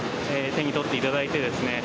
手に取っていただいてですね。